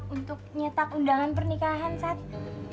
untuk nyetak undangan pernikahan satu